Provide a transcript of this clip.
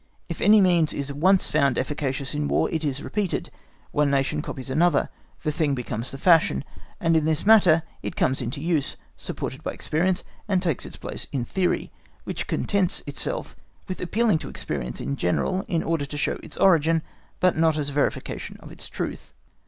If any means is once found efficacious in War, it is repeated; one nation copies another, the thing becomes the fashion, and in this manner it comes into use, supported by experience, and takes its place in theory, which contents itself with appealing to experience in general in order to show its origin, but not as a verification of its truth.